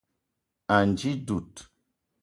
Ànji dud